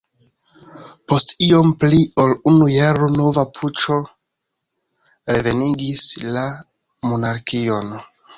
Post iom pli ol unu jaro nova puĉo revenigis la monarkion.